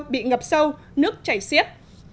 bị ngập sâu nước chảy xiết